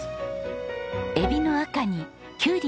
エビの赤にキュウリの緑